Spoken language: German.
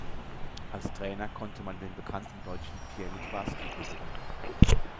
Als Trainer konnte man den bekannten Deutschen Pierre Littbarski gewinnen.